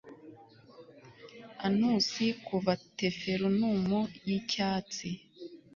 Aunus kuva Tifernum yicyatsi